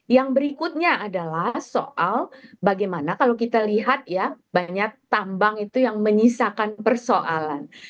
yang berikutnya adalah soal bagaimana kalau kita lihat ya banyak tambang itu yang menyisakan persoalan